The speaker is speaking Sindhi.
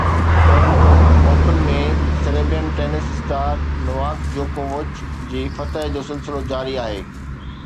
Toronto open ۾ Serbian tennis star Novak جوڪووچ جي فتح جو سلسلو جاري آهي